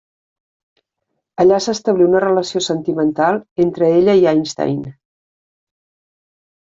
Allà s'establí una relació sentimental entre ella i Einstein.